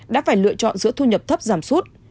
đã phải lựa chọn giữa thu nhập thấp giảm sút